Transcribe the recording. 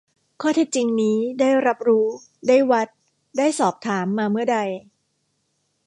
ข้อเท็จจริงนี้ ได้รับรู้ ได้วัด ได้สอบถาม มาเมื่อใด